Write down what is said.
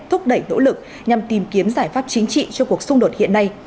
thúc đẩy nỗ lực nhằm tìm kiếm giải pháp chính trị cho cuộc xung đột hiện nay